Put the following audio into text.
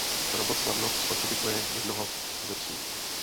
Robot snadno spacifikuje jednoho ze psů.